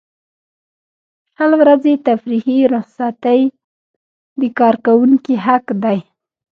شل ورځې تفریحي رخصتۍ د کارکوونکي حق دی.